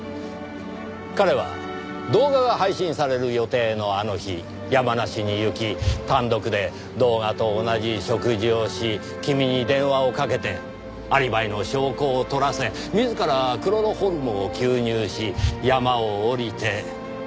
彼は動画が配信される予定のあの日山梨に行き単独で動画と同じ食事をし君に電話をかけてアリバイの証拠を撮らせ自らクロロホルムを吸入し山を下りて入水自殺をした。